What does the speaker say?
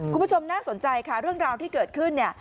คุณผู้ชมน่าสนใจค่ะเรื่องราวที่เกิดขึ้นเนี่ย